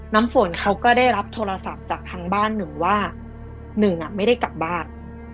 น้ำฝนเขาก็ได้รับโทรศัพท์จากทางบ้านหนึ่งว่าหนึ่งไม่ได้กลับบ้าน